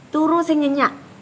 turu sih nyenyak